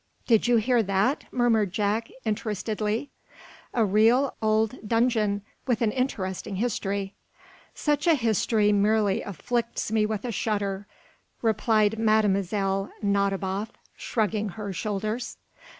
"Did you hear that?" murmured Jack, interestedly. "A real, old dungeon, with an interesting history." "Such a history merely afflicts me with a shudder," replied Mlle. Nadiboff, shrugging her shoulders.